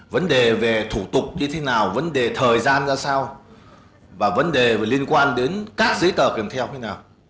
vấn đề về thủ tục như thế nào vấn đề thời gian ra sao và vấn đề liên quan đến các giấy tờ kèm theo thế nào